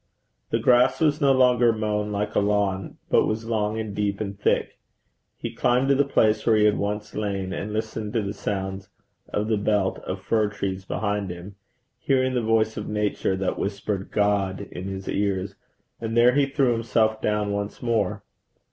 The grass was no longer mown like a lawn, but was long and deep and thick. He climbed to the place where he had once lain and listened to the sounds of the belt of fir trees behind him, hearing the voice of Nature that whispered God in his ears, and there he threw himself down once more.